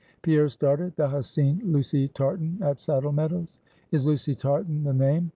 Pierre started. "Thou hast seen Lucy Tartan, at Saddle Meadows?" "Is Lucy Tartan the name?